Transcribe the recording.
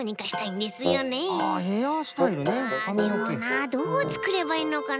でもなどうつくればいいのかな？